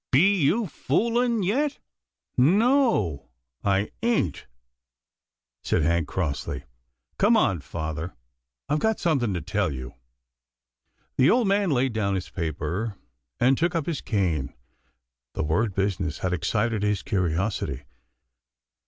" Be you fooling yet ?"" No, I ain't," said Hank crossly. " Come on, father, I've got something to tell you." The old man laid down his paper, and took up his cane. The word " business" had excited his curi osity.